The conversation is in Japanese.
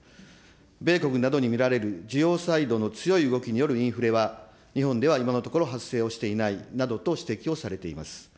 米国などに見られる需要サイドの強い動きによるインフレは、日本では今のところ発生をしていないなどと指摘をされています。